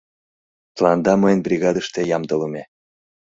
Тыланда мыйын бригадыште ямдылыме.